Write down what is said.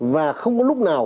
và không có lúc nào